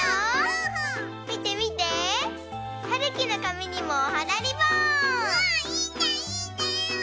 みてみて！はるきのかみにもおはなリボン！